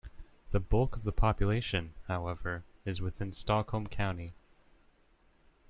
The bulk of the population, however, is within Stockholm County.